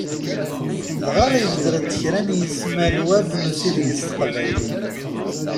Dɣa ibder-d kra n yismal Web n usideg s Teqbaylit.